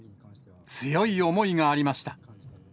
強い思いがありました。